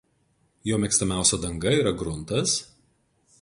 Jo mėgstamiausia danga yra gruntas.